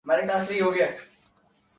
مبشر بھائی سیدھے انسان ہے اس لیے امدنی بتا دی